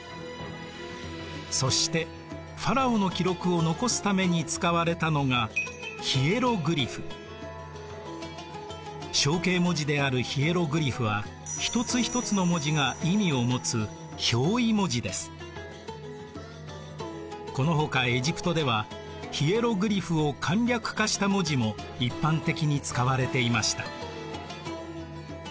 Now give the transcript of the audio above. そしてファラオの記録を残すために使われたのが象形文字であるヒエログリフはこのほかエジプトではヒエログリフを簡略化した文字も一般的に使われていました。